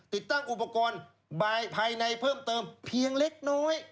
ติดตั้งอุปกรณ์บายภายในเพิ่มเติมเพียงเล็กน้อย